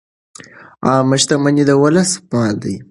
عامه شتمني د ولس مال دی.